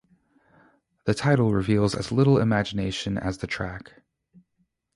The title reveals as little imagination as the track.